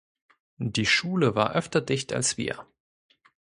Die Schule war öfter dicht als wir.